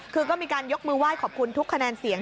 คือก็มีการยกมือไหว้ขอบคุณทุกคะแนนเสียง